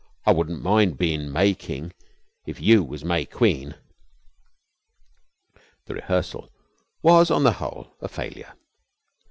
I wun't mind bein' May King if you was May Queen." The rehearsal was, on the whole, a failure.